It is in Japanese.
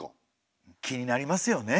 気になりますよね？